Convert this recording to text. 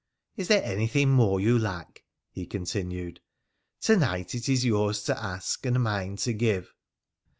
' Is there anything more you lack ?' he continued. ' To night it is yours to ask, and mine to give.'